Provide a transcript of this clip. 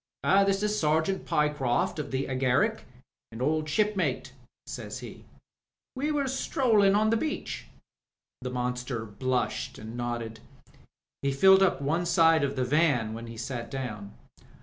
"This is Sergeant Pritchard, of the Agaric, an old shipmate," said he. "We were stroUin* on the beach." The monster blushed and nodded. He filled up one side of the van when he sat down.